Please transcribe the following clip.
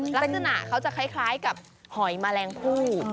ลักษณะเขาจะคล้ายกับหอยแมลงผู้